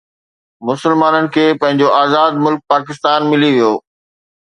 مسلمانن کي پنهنجو آزاد ملڪ پاڪستان ملي ويو